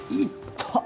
痛っ。